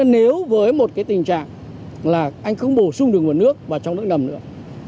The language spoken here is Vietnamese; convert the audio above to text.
nếu với một cái tình trạng là anh không bổ sung được nguồn nước vào trong nước ngầm nữa